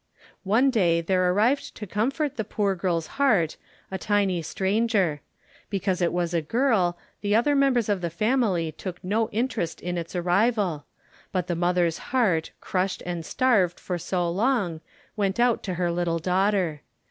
One day there arrived to comfort the poor girl's heart a tiny stranger. Because it was a girl the other members of the family took no interest in its arrival, but the mother's heart, crushed and starved for so long, went out to her little daughter.